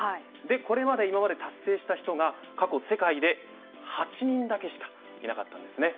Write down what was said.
これまでで達成した人が過去世界で８人だけしかいなかったんですね。